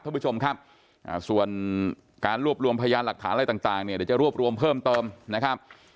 ท่านผู้ชมครับส่วนการรวบรวมพยานหลักฐานอะไรต่างเนี่ยเดี๋ยวจะรวบรวมเพิ่มเติมนะครับ